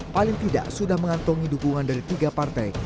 paling tidak sudah mengantongi dukungan dari tiga partai